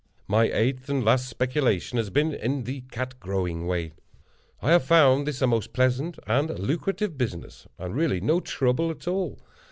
My eighth and last speculation has been in the Cat Growing way. I have found that a most pleasant and lucrative business, and, really, no trouble at all.